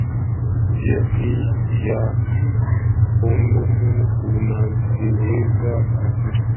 mpira wa kondomu unaweza kuvuja wakati wa tendo la ndoa